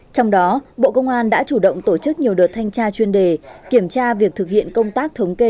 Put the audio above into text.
trong đó bộ công an đã chủ động tổ chức nhiều đợt thanh tra chuyên đề kiểm tra việc thực hiện công tác thống kê